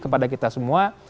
kepada kita semua